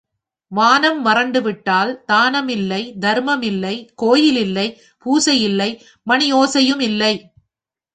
வானம் வறண்டுவிட்டால் தானம் இல்லை தருமம் இல்லை கோயில் இல்லை பூசை இல்லை மணி ஓசையும் இல்லை.